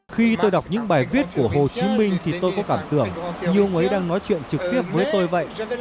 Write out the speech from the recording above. khi tôi đọc những bài viết của hồ chí minh thì tôi có cảm tưởng nhiều người đang nói chuyện trực tiếp với tôi vậy